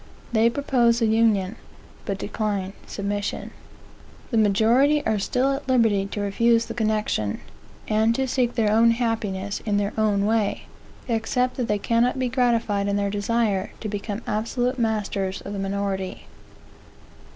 They propose a union; but decline submission. The majority are still at liberty to refuse the connection, and to seek their own happiness in their own way, except that they cannot be gratified in their desire to become absolute masters of the minority.